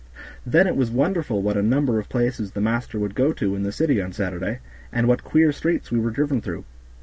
Then it was wonderful what a number of places the master would go to in the city on Saturday, and what queer streets we were driven through.